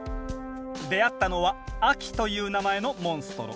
出会ったのは「アキ」という名前のモンストロ。